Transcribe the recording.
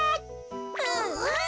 うんうん！